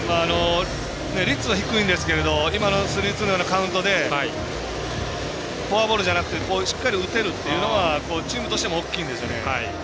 率は低いんですけれど今のスリーツーのようなカウントでフォアボールじゃなくてしっかり打てるというのはチームとしても大きいんですよね。